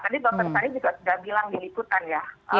tadi dokter tadi sudah bilang di likutan ya